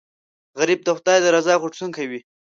غریب د خدای د رضا غوښتونکی وي